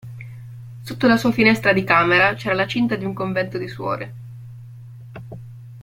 Sotto la sua finestra di camera c'era la cinta di un convento di suore.